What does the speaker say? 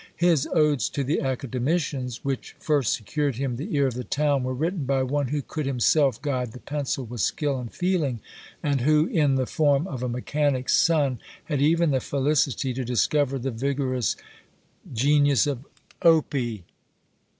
His "Odes to the Academicians," which first secured him the ear of the town, were written by one who could himself guide the pencil with skill and feeling, and who, in the form of a mechanic's son, had even the felicity to discover the vigorous genius of Opie.